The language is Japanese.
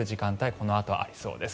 このあとありそうです。